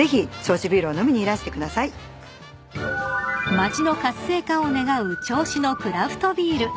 ［街の活性化を願う銚子のクラフトビール］